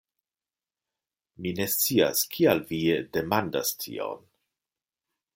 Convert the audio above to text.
Mi ne scias, kial vi demandas tion?